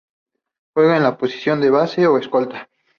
Juega en la posición de base o escolta.